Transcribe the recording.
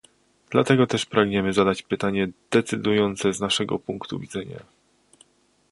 Dlatego też pragniemy zadać pytanie decydujące z naszego punktu widzenia